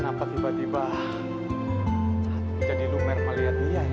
lepasin pak randy